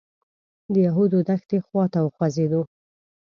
د یهودو دښتې خوا ته وخوځېدو.